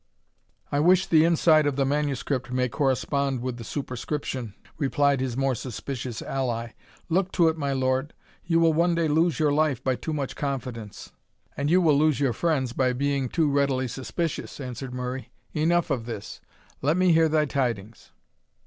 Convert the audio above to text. "I wish the inside of the manuscript may correspond with the superscription," replied his more suspicious ally. "Look to it, my lord, you will one day lose your life by too much confidence." "And you will lose your friends by being too readily suspicious," answered Murray. "Enough of this let me hear thy tidings."